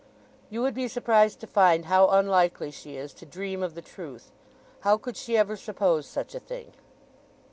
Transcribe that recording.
"You would be surprised to find how unlikely she is to dream of the truth. How could she ever suppose such a thing?"